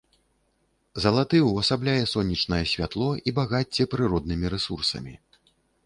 Залаты ўвасабляе сонечнае святло і багацце прыроднымі рэсурсамі.